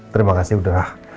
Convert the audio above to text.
terima kasih udah